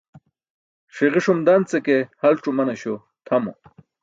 Ṣiġuṣum dance ke halc̣ umanaśo tʰamo.